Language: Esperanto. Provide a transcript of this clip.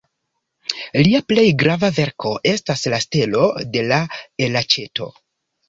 Lia plej grava verko estas "La Stelo de la Elaĉeto".